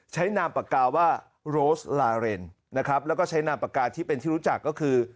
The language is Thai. นามปากกาว่าโรสลาเรนนะครับแล้วก็ใช้นามปากกาที่เป็นที่รู้จักก็คือ